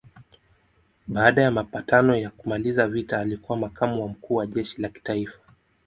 Baada ya mapatano ya kumaliza vita alikuwa makamu wa mkuu wa jeshi la kitaifa.